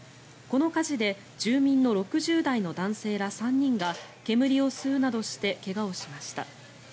この火事で住民の６０代の男性ら３人が煙を吸うなどして怪我をしました。